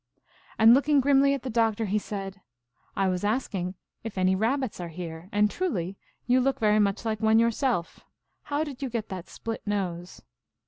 And, looking grimly at the Doc tor, 1 he said :" I was asking if any Kabbits are here, and truly you look very much like one yourself. How did you get that split nose?